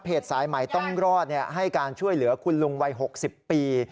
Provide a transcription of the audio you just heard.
สายใหม่ต้องรอดให้การช่วยเหลือคุณลุงวัย๖๐ปี